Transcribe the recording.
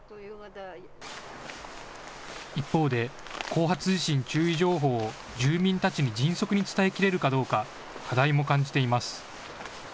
一方で後発地震注意情報を住民たちに迅速に伝えきれるかどうか、課題も感じています。